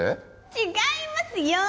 違いますよ